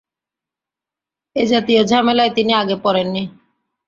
এ-জাতীয় ঝামেলায় তিনি আগে পড়েন নি।